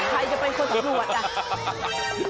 ใครจะเป็นคนสำรวจอ่ะ